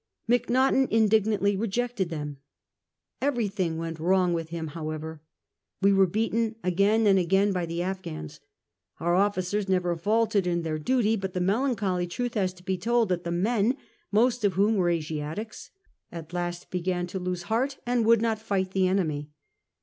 Macnaghten indignantly rejected them. Everything went wrong with him, however. We were beaten again and again by the Afghans. Our officers never faltered in their duty ; but the melancholy truth has to be told that the men, most of whom were Asiatics, at last began to lose heart and would not fight the enemy.